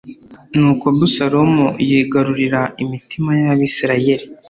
Nuko Abusalomu yigarurira imitima y’Abisirayeli.